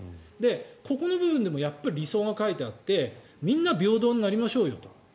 ここの部分でもやっぱり理想が書いてあってみんな平等になりましょうよと。